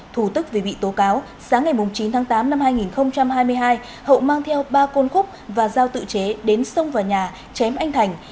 thủ tức vì bị tố cáo sáng ngày chín tháng tám năm hai nghìn hai mươi hai hậu mang theo ba côn khúc và giao tự chế đến xông vào nhà chém anh thành